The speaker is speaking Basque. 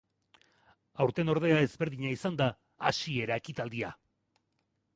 Aurten, ordea, ezberdina izan da hasiera ekitaldia.